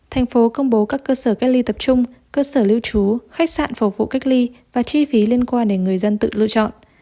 thành phố công bố các cơ sở cách ly tập trung cơ sở lưu trú khách sạn phục vụ cách ly và chi phí liên quan để người dân tự lựa chọn